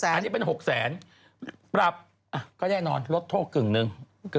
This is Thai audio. อันนี้เป็น๖แสนปรับก็แน่นอนลดโทษกึ่งหนึ่ง